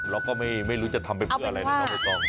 เราก็ไม่รู้จะทำไปเพื่ออะไรนะน้องใบตอง